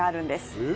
えっ？